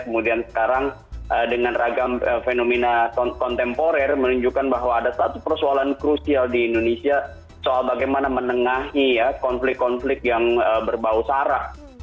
kemudian sekarang dengan ragam fenomena kontemporer menunjukkan bahwa ada satu persoalan krusial di indonesia soal bagaimana menengahi ya konflik konflik yang berbau sarah